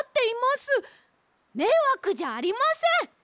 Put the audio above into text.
めいわくじゃありません！